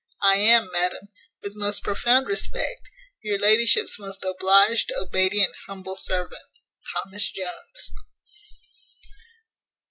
I am, madam, with most profound respect, your ladyship's most obliged, obedient, humble servant, THOMAS JONES."